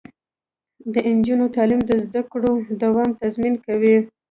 د نجونو تعلیم د زدکړو دوام تضمین کوي.